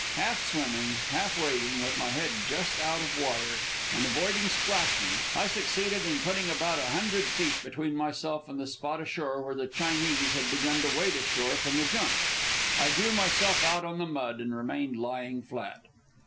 Half swimming, half wading, with my head just out of water and avoiding splashing. I succeeded in putting about a hundred feet between myself and the spot ashore where the Chinese had begun to wade ashore from the junk. I drew myself out on the mud and remained lying flat.